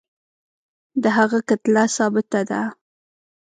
د هغه کتله ثابته ده.